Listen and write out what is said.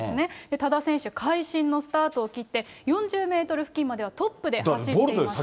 多田選手、会心のスタートを切って、４０メートル付近まではトップで走っていました。